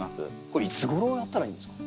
これいつごろやったらいいんですか？